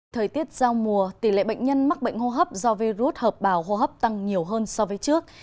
thời tiết giao mùa tỷ lệ bệnh nhân mắc bệnh hô hấp do virus hợp bào hô hấp tăng nhiều hơn so với trước